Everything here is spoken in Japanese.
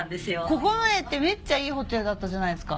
九重ってめっちゃいいホテルだったじゃないですか。